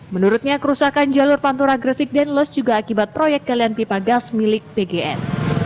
menurutnya kerusakan jalur pantura gresik dan lus juga akibat proyek kalian pipagas milik pgn